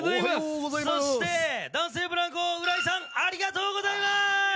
そして男性ブランコ、浦井さんありがとうございます！